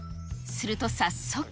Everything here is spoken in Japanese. すると早速。